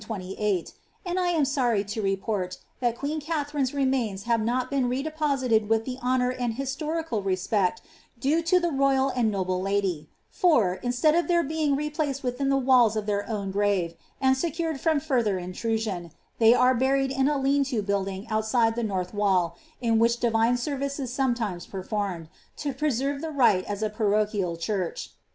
o.. 18*8, and I am sorry to report thai queen Katharine's remains have noi bepn re deposited with the honour and historical respect due lo Ihe raykl and noble lady : fur, instead of iheir being replaced within the wills in their own grave, and secured from further intrusion, ihey are botiecl in a leau lo building ouiside ihe north wall, in which divine aer *ioe is sumelimes performed, to preserve the right as a parochial church.